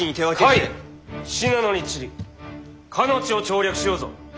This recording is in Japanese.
甲斐信濃に散りかの地を調略しようぞ！